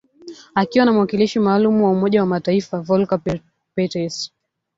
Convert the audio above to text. Akiwa na mwakilishi maalum wa Umoja wa Mataifa, Volker Perthes